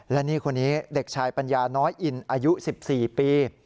และนี่คนนี้เด็กชายปัญญาน้อยอินอายุ๑๔ปี